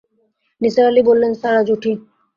নিসার আলি বললেন, স্যার, আজ উঠি।